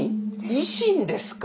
維新ですか。